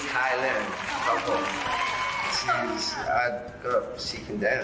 ดีใจเลยค่ะเพราะว่าเขาคือแร็ปเปอร์ทโวร์พ่อเมืองไทยเลย